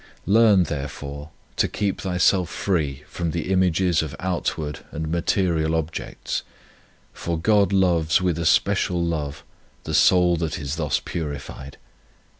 Learn, therefore, to keep thyself free from the images of outward and material objects, for God loves with a special love the soul that is thus purified.